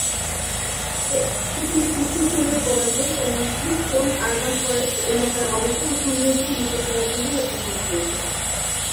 সেখানে কিছু শহুরে বনাঞ্চল যেমন ক্লিফটন আরবান ফরেস্ট এলাকার অবস্থা ও সৌন্দর্য উন্নত করার জন্য রোপণ করা হয়েছে।